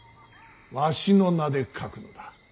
わしの名で書くのだ。